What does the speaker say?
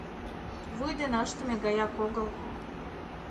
Вуй дене ыштыме гаяк огыл.